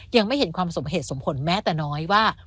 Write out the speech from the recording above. ยังไม่เห็นความสมเหตุสมผลแม้แต่น้อยว่า